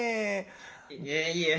いえいえ。